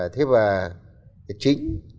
thế và chính